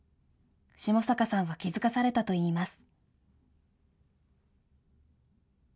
下坂さんは気付かされたといいます。